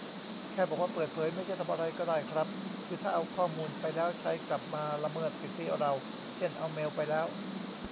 แค่บอกว่าเปิดเผยไม่ใช่ทำอะไรก็ได้ครับ คือถ้าเอาข้อมูลไปแล้วใช้กลับมาละเมิดสิทธิเรา เช่นเอาเมลไปแล้ว